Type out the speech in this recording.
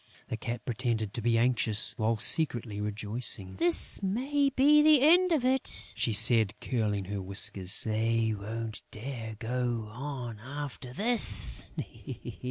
The Cat pretended to be anxious, while secretly rejoicing: "This may be the end of it," she said, curling her whiskers. "They won't dare to go on after this."